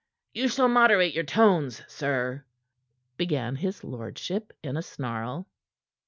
"You shall moderate your tones, sir " began his lordship in a snarl.